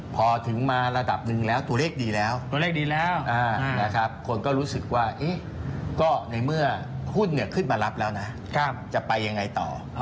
พอถึงมาระดับหนึ่งแล้วตัวเลขดีแล้วคนก็รู้สึกว่าก็ในเมื่อหุ้นเนี่ยขึ้นมารับแล้วนะจะไปยังไงต่อ